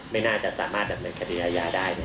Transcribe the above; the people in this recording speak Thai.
ไม่น่าจะสามารถดำเนินคดีอาญาได้